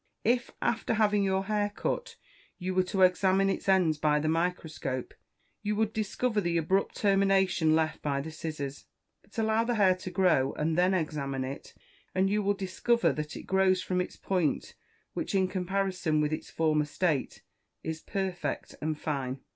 If, after having your hair cut, you were to examine its ends by the microscope, you would discover the abrupt termination left by the scissors. But allow the hair to grow, and then examine it, and you will discover that it grows from its point which, in comparison with its former state, is perfect and fine.